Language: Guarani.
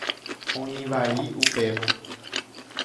Oĩ vai upéva.